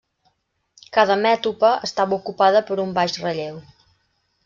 Cada mètopa estava ocupada per un baix relleu.